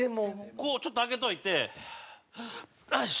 こうちょっと開けといてハアよし！